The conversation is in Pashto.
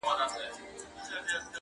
مځکه ډکه له رمو سوه د پسونو -